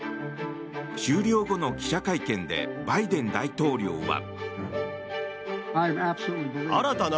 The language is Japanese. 終了後の記者会見でバイデン大統領は。